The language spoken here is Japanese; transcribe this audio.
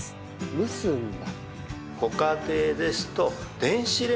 蒸すんだ。